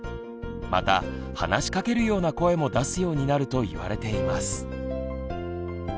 また話しかけるような声も出すようになると言われています。